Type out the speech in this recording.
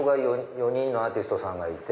４人のアーティストさんがいて。